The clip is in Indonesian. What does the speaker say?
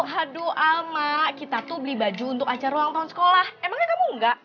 haduh sama kita tuh beli baju untuk acara ulang tahun sekolah emangnya kamu enggak